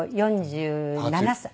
４７歳。